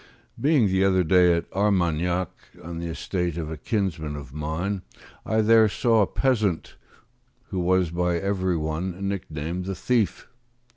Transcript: Being the other day at Armaignac, on the estate of a kinsman of mine, I there saw a peasant who was by every one nicknamed the thief.